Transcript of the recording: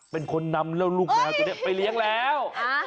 เป็นคนนำแล้วลูกแมวตัวนี้ไปเลี้ยงแล้ว